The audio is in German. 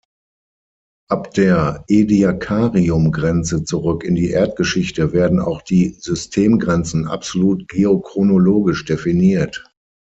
Ab der Ediacarium-Grenze zurück in die Erdgeschichte werden auch die Systemgrenzen absolut geochronologisch definiert.